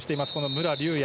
武良竜也。